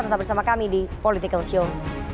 tetap bersama kami di political show